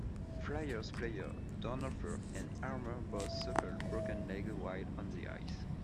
Flyers players Dornhoefer and Harmer both suffered broken legs while on the ice.